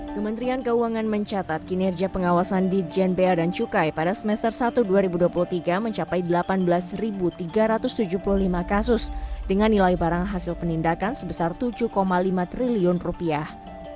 kementerian keuangan mencatat kinerja pengawasan di jnbr dan cukai pada semester satu dua ribu dua puluh tiga mencapai delapan belas tiga ratus tujuh puluh lima kasus dengan nilai barang hasil penindakan sebesar tujuh lima triliun rupiah